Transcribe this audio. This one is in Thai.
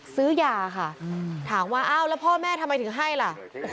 ซื้อยาค่ะถามว่าอ้าวแล้วพ่อแม่ทำไมถึงให้ล่ะ